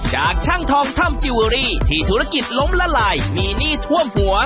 จากช่างทองถ้ำจิลเวอรี่ที่ธุรกิจล้มละลายมีหนี้ท่วมหัว